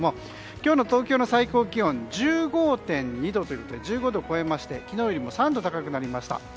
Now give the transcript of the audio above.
今日の東京の最高気温は１５．２度と１５度を超えまして昨日より３度高くなりました。